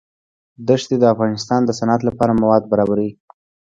دښتې د افغانستان د صنعت لپاره مواد برابروي.